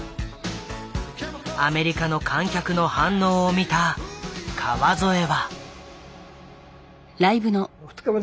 アメリカの観客の反応を見た川添は。